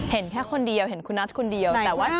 เห็นแค่คนเดียวเห็นคุณนัทคนเดียว